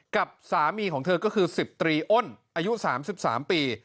กับสามีของเธอก็คือสิบตรีอ้นอายุสามสิบสามปี